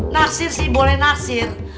naksir sih boleh naksir